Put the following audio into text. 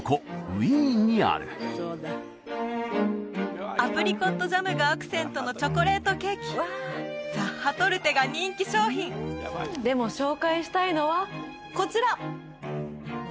ウィーンにあるアプリコットジャムがアクセントのチョコレートケーキザッハトルテが人気商品でも紹介したいのはこちら！